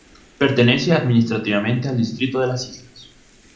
Pertenece administrativamente al Distrito de las Islas.